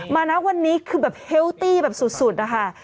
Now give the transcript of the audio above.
ณวันนี้คือแบบเฮลตี้แบบสุดนะคะ